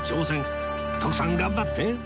徳さん頑張って！